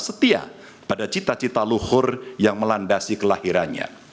dan setia pada cita cita luhur yang melandasi kelahirannya